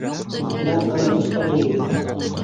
Бар, ана тышта бейегеҙ!